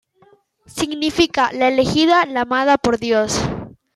Significa 'la elegida', 'la amada por Dios'.